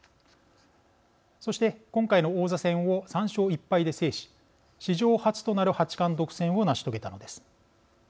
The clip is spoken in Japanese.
そして、今回の王座戦を３勝１敗で制し史上初となる八冠独占を成し遂げたのです。